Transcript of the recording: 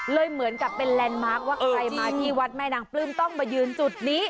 เหมือนกับเป็นแลนด์มาร์คว่าใครมาที่วัดแม่นางปลื้มต้องมายืนจุดนี้